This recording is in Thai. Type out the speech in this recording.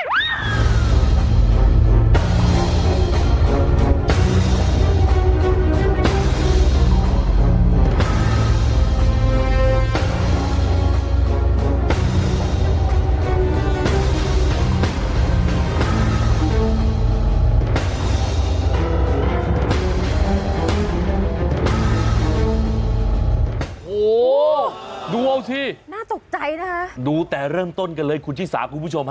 โอ้โหดูเอาที่น่าตกใจนะฮะดูแต่เรื่องต้นกันเลยคุณที่สามคุณผู้ชมฮะ